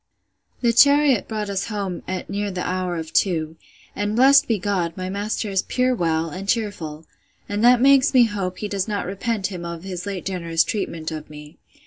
The chariot brought us home at near the hour of two; and, blessed be God, my master is pure well, and cheerful; and that makes me hope he does not repent him of his late generous treatment of me.